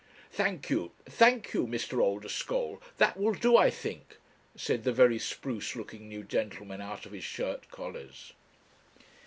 'Thank you, thank you, Mr. Oldeschole that will do, I think,' said the very spruce looking new gentleman out of his shirt collars.